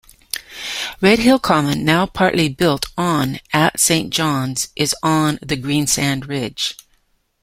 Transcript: Redhill Common, now partly built on at St John's, is on the Greensand Ridge.